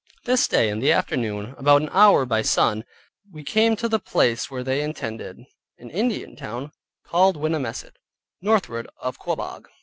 This day in the afternoon, about an hour by sun, we came to the place where they intended, viz. an Indian town, called Wenimesset, northward of Quabaug.